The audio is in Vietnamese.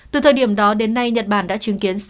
từ thời điểm đó đến nay nhật bản đã chứng kiến